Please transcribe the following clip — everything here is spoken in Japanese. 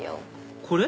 これ？